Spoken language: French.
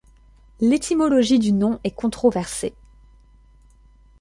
L'étymologie du nom est controversée.